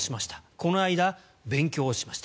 この間勉強しました。